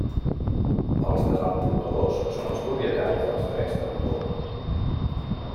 Els desenvolupadors són els propietaris dels drets d'autor.